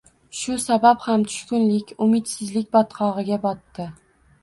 Shu sabab ham tushkunlik, umidsizlik botqog’iga botdi